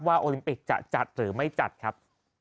โอลิมปิกจะจัดหรือไม่จัดครับ